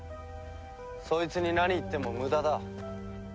そいつに何言っても無駄だ。